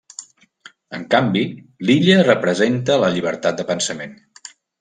En canvi, l'illa representa la llibertat de pensament.